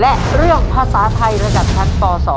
และเรื่องภาษาไทยระดับชั้นป๒